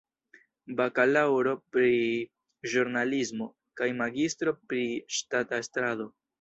Bakalaŭro pri ĵurnalismo kaj magistro pri ŝtata estrado.